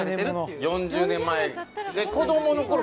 ４０年前。